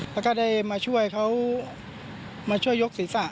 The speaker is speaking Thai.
แล้วก็ได้มาช่วยเขามาช่วยยกศีรษะ